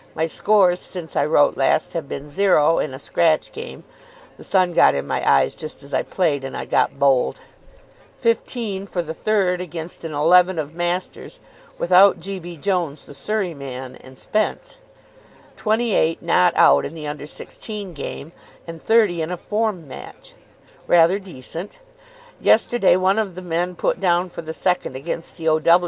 My scores since I wrote last have been 0 in a scratch game (the sun got in my eyes just as I played, and I got bowled); 15 for the third against an eleven of masters (without G. B. Jones, the Surrey man, and Spence); 28 not out in the Under Sixteen game; and 30 in a form match. Rather decent. Yesterday one of the men put down for the second against the O.